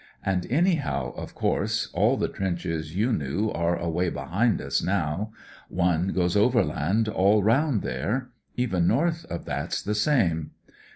And anyhow, of course, aU the trenches you knew are away behind us now. One goes over land all round there. Even north of that's the same.